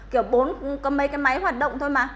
kiểu bốn có mấy cái máy hoạt động thôi mà